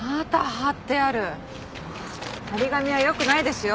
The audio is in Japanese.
貼り紙は良くないですよ。